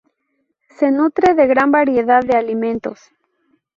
Se nutre de gran variedad de alimentos.